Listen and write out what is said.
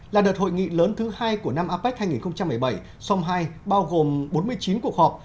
là đợt hội nghị lớn thứ hai của năm apec hai nghìn một mươi bảy song hai bao gồm bốn mươi chín cuộc họp